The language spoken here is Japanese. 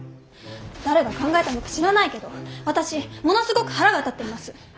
誰が考えたのか知らないけど私ものすごく腹が立ってます！